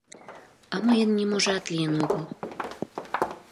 А мыйын ниможат лийын огыл.